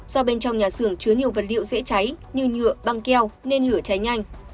do bên trong nhà xưởng chứa nhiều vật liệu dễ cháy như nhựa băng keo nên lửa cháy nhanh